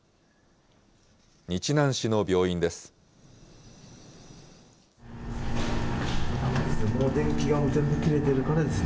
日南市の病院です。